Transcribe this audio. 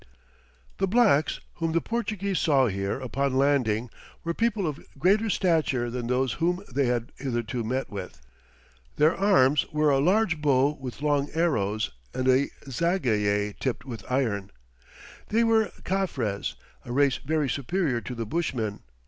The blacks whom the Portuguese saw here upon landing were people of greater stature than those whom they had hitherto met with. Their arms were a large bow with long arrows, and a zagaye tipped with iron. They were Caffres, a race very superior to the Bushmen.